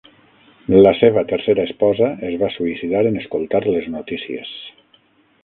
La seva tercera esposa es va suïcidar en escoltar les notícies.